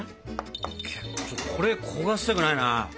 これ焦がしたくないな。